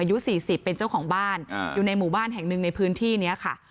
อายุ๔๐เป็นเจ้าของบ้านอยู่ในหมู่บ้านแห่งหนึ่งในพื้นที่นี้ค่ะ